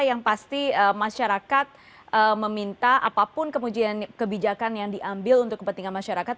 yang pasti masyarakat meminta apapun kemudian kebijakan yang diambil untuk kepentingan masyarakat